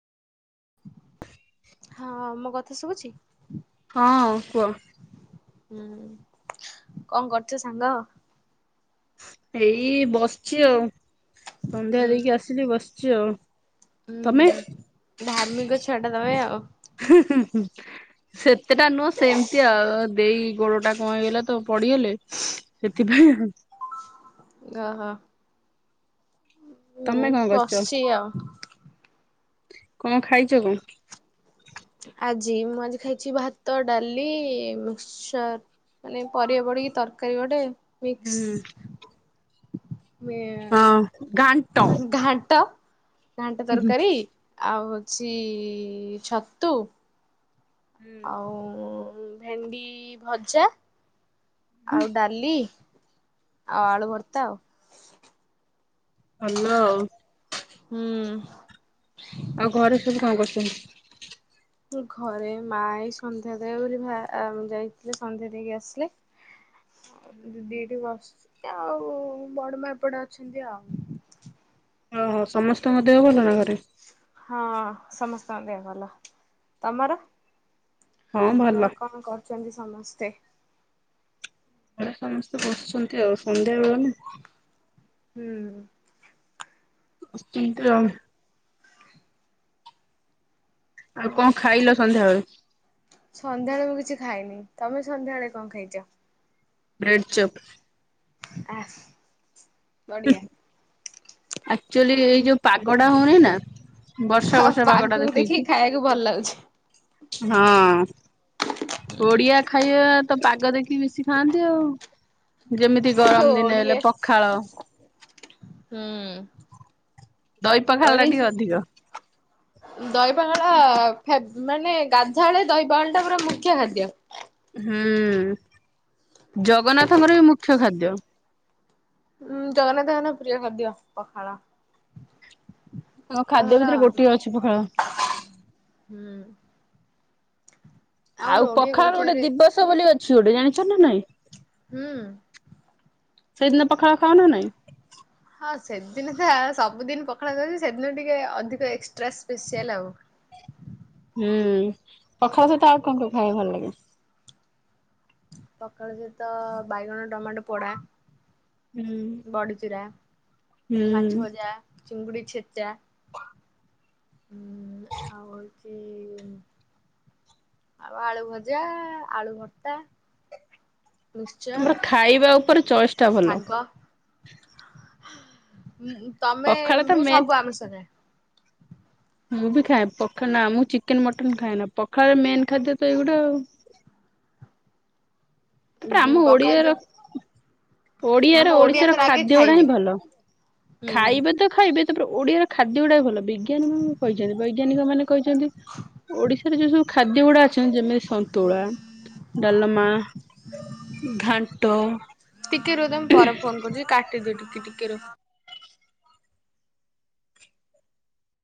ହଁ ମୋ କଥା ଶୁଭୁଛି? ହଁ କୁହ। ହୁଁ କଣ କରୁଛ ସାଙ୍ଗ? ଏଇ ବସିଛି ଆଉ ସନ୍ଧ୍ୟା ଦେଇକି ଆସିଲି ବସିଛି ଆଉ। ହୁଁ ତମେ? ହୁଁ ଧାର୍ମିକ ଛୁଆ ଟା ତମେ ଆଉ। [inaudible] ସେତେଟା ନୁହଁ ସେମିତି ଆଉ ଦେଇ ଗୋଡ ଟା କଣ ହେଇଗଲା ତ ପଡିଗଲେ। ସେଥିପାଇଁ ଆଉ। ଓହୋ ମୁଁ ତମେ କଣ କରୁଛ ବସିଛି ଆଉ। କଣ ଖାଇଛ କଣ? ଆଜି ମୁଁ ଆଜି ଖାଇଛି ଭାତ ଡାଲି ମିକ୍ସଚର‌ ମାନେ ପରିବା ପଡିକି ତରକାରୀ ଗୋଟେ ହୁଁ ମିକ୍ସ ହୁଏ ହଁ ଘାଣ୍ଟ। ଘାଣ୍ଟ। ଘାଣ୍ଟ ହୁଁ ତରକାରୀ ଆଉ ହୋଉଛି ଛତୁ ଆଉ ଭେଣ୍ଡି ଭଜା ଆଉ ଡାଲି ଆଉ ଆଳୁ ଭର୍ତା ଆଉ। ଭଲ ଆଉ। ହୁଁ। ଆଉ ଘରେ ସବୁ କଣ କରୁଛନ୍ତି? ଘରେ ମା ଏଇ ସନ୍ଧ୍ୟା ଦେବେ ବୋଲି ଭାଆ ଯାଇଥିଲେ ସନ୍ଧ୍ୟା ଦେଇକି ଆସିଲେ। [inaudible] ଦିଦି ଏଇଠି ବସି ଚନ୍ତି ଆଉ ବଡ ମା ଏପଟେ ଅଛନ୍ତି ଆଉ। ଓହୋ ସମସ୍ତଙ୍କ ଦେହ ଭଲ ନା ଘରେ? ହଁ ସମସ୍ତଙ୍କ ଦେହ ଭଲ ତମର? ହଁ ଭଲ। ତମର କଣ କରୁଛନ୍ତି ସମସ୍ତେ? ଘରେ ସମସ୍ତେ ବସିଛନ୍ତି ଆଉ ସନ୍ଧ୍ୟାବେଳ ନା। ହୁଁ। [unintelligible] ଆଉ କଣ ଖାଇଲ ସନ୍ଧ୍ୟାବେଳେ? ସନ୍ଧ୍ୟାବେଳେ ମୁଁ କିଛି ଖାଇନି। ତମେ ସନ୍ଧ୍ୟାବେଳେ କଣ ଖାଇଛ? Bread chop. ଆ ବଢିଆ। ଆକ୍ଚୁଆଲି ଏଇ ଯୋଉ ପାଗଡା ହଉନି ନା ବର୍ଷା ଆଉ ବର୍ଷା ପାଗକୁ ପାଗଡା ଦେଖିକି ଦେଖେଇଛି। ଖାଇବାକୁ ଭଲ ଲାଗୁଛି ହଁ। ଓଡିଆ ଖାଇବା ତ ପାଗ ଦେଖି ବେଶି ଖାଆନ୍ତି ଆଉ ଯେମିତି ଗରମ ଦିନେ ଓଡିଆ ହେଲେ ପଖାଳ। ହୁଁ ଦଇପଖାଳ ଟା ଟିକେ ଅଧିକ। ଦହିପହାଳ ମାନେ ଗାଧାଳେ ଦହିପଖାଳଟା ପୁରା ମୁଖ୍ୟ ଖାଦ୍ୟ। ହୁଁ ଜଗନ୍ନାଥଙ୍କର ବି ମୁଖ୍ୟ ଖାଦ୍ୟ। ହୁଁ ଜଗନ୍ନାଥଙ୍କ ପ୍ରିୟ ଖାଦ୍ୟ ପଖାଳ। ତାଙ୍କ ଖାଦ୍ୟ ଆମର ଭିତରେ ଗୋଟିଏ ଅଛି ପଖାଳ। ହୁଁ। ଆମର ଆଉ ଓଡିଆ ପଖାଳ ଗୋଟେ କଲଚରରେ ଦିବସ ବୋଲି ଅଛି ଗୋଟେ ଜାଣିଛ ନା ନାଇଁ? ହୁଁ। ସେହିଦିନ ପଖାଳ ଖାଅ ନା ନାହିଁ? ହଁ ସେଦିନ ତ ସବୁଦିନ ପଖାଲ ଭାତଜେ ସେଦିନ ଟିକେ ଅଧିକ ଏକ୍ସଟ୍ରା ସ୍ପେସିଆଲ୍ ଆଉ ହୁଁ ପଖାଳ ସହିତ ଆଉ କଣ କଣ ଖାଇବା ଭଲ ଲାଗେ? ପଖାଳ ସହିତ ବାଇଗଣ ଟମାଟୋ ପୋଡା ହୁଁ ବଡ଼ିଚୁରା, ମାଛ ହୁଁ ଭଜା, ଚିଙ୍ଗୁଡି ଛେଚା ଆଉ ହେଉଛି ଆଉ ଆଳୁ ଭଜା, ଆଳୁ ଭର୍ତା ତମର ଖାଇବା ଉପରେ ଚଏସ୍ ଟା ଭଲ। ଶାଗ ତମେ ପଖାଳ ତ ମୁଁ ମେନ୍ ସବୁ ଆମ ସାଙ୍ଗେ ମୁଁ ବି ଖାଏ ପଖା ନା ମୁଁ ଚିକେନ ମଟନ୍ ଖାଏ ନା ପଖାଳ ମେନ୍ ଖାଦ୍ୟ ତ ଏଇଗୁଟା ଆଉ ଆମ ପଖାଳ ଓଡିଆର ଆମ ଓଡିଆର ଓଡିଶାର ଓଡିଆଙ୍କର ଆଗେ ଖାଦ୍ୟ ଗୁଡା ଖାଇବେ। ହିଁ ଭଲ। ହୁଁ ଖାଇବେ ତ ଖାଇବେ ତାପରେ ଓଡିଆର ଖାଦ୍ୟ ଗୁଡା ଭଲ। ବିଜ୍ଞାନ ମାନ କହିଛନ୍ତି ବୈଜ୍ଞାନିକ ମାନେ କହିଛନ୍ତି ଓଡିଶାରେ ଯୋଉ ସବୁ ଖାଦ୍ୟ ଗୁଡା ଅଛନ୍ତି ଯେମିତି ସନ୍ତୁଳା, ଡାଲମା ଘାଣ୍ଟ ଟିକେ ରୁହ ତମ ପରେ ଫୋନ କରୁଛି କାଟିଦି ଟିକେ ଟିକେ ରୁ